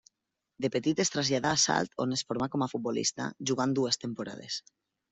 De petit es traslladà a Salt on es formà com a futbolista, jugant dues temporades.